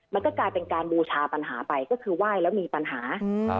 มันก็กลายเป็นการบูชาปัญหาไปก็คือไหว้แล้วมีปัญหา